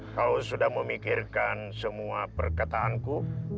kau sudah memikirkan semua perkataanku